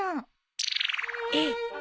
えっ！？